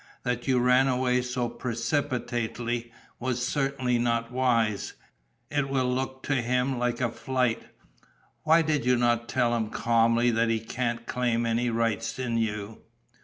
That you ran away so precipitately was certainly not wise: it will look to him like a flight. Why did you not tell him calmly that he can't claim any rights in you?